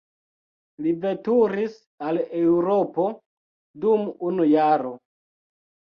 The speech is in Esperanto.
Li veturis al Eŭropo dum unu jaro.